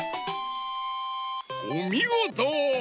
おみごと！